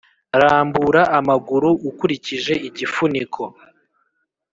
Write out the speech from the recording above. rambura amaguru ukurikije igifuniko.